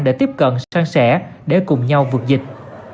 để tiếp cận sang sẻ để cùng nhau vượt dịch